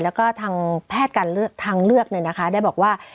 แล้วก็ทางแพทย์ทางเลือกเนี่ยนะคะได้บอกว่า